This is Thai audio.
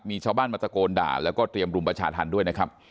มีชาวบ้านมาตะโกนด่าแล้วก็เตรียมรุมประชาธรรมด้วยนะครับ